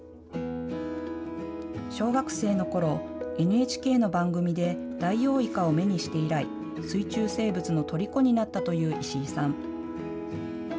小学生のころ、ＮＨＫの番組でダイオウイカを目にして以来水中生物のとりこになったという石井さん。